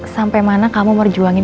sampai mana kamu mau juangin